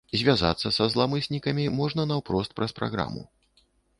Звязацца са зламыснікамі можна наўпрост праз праграму.